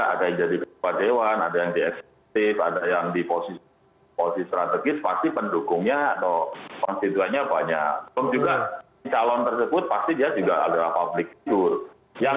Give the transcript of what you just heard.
ada yang jadi kecepatan ada yang di ekspektif ada yang di posisi strategis pasti pendukungnya atau konstituenya banyak